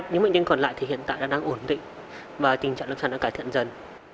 những bệnh nhân còn lại thì hiện tại đang ổn định và tình trạng lâm sản đã cải thiện dần